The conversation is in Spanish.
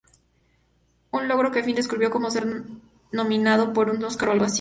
Un logro que Finn describió como "ser nominado por un Oscar, o algo así".